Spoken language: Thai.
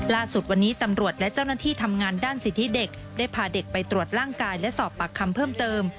ล่าสุดวันนี้ตำรวจและเจ้าหน้าที่ทำงานด้านสิทธิเด็กได้พาเด็กไปตรวจร่างกายและสอบปากคำเพิ่มเติม